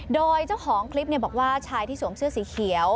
โดยเจ้าของคลิปบอกว่าชายที่สวมเสื้อสีเขียว